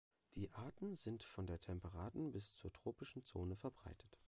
Die Arten sind von der temperaten bis zur tropischen Zone verbreitet.